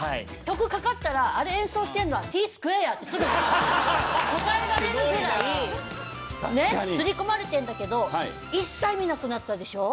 曲かかったらあれ演奏してるのはＴ−ＳＱＵＡＲＥってすぐ答えられるぐらいねっ刷り込まれてるんだけど一切見なくなったでしょ？